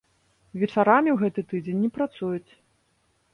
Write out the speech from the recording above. Вечарамі ў гэты тыдзень не працуюць.